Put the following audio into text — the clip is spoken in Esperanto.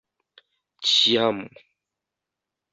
Ĉiam.